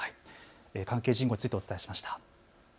関係人口についてお伝えしました。